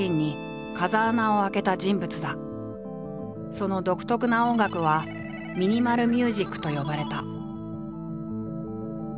その独特な音楽は「ミニマル・ミュージック」と呼ばれた。